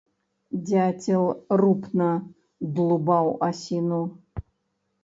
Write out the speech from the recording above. Дзяцел рупна длубаў асіну.